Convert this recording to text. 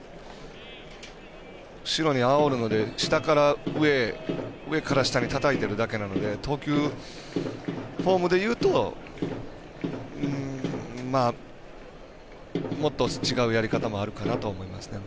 後ろにあおるので、下から上上から下にたたいているだけなので投球フォームでいうともっと、違うやり方もあるかなと思いますね。